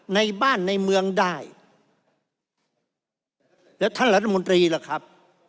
ในบ้านในเมืองได้แล้วท่านรัฐมนตรีล่ะครับ